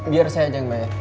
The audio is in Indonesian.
biar saya aja yang bayar